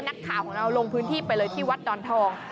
นักข่าวของเราลงพื้นที่ไปเลยที่วัดดอนทอง